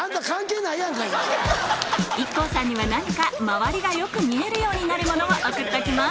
ＩＫＫＯさんには何か周りがよく見えるようになるものを送っておきます